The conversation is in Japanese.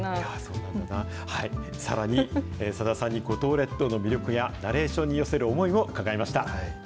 さらに、さださんに五島列島の魅力や、ナレーションに寄せる思いを伺いました。